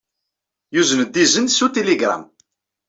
Yuzen-d izen s utiligṛam.